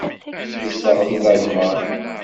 Tezdeɣ deg Lalman.